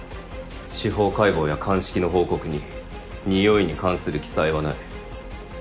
司法解剖や鑑識の報告に匂いに関する記載はない。